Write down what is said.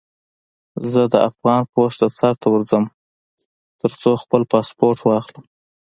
زه د افغان پوسټ دفتر ته ورځم، ترڅو خپل پاسپورټ واخلم.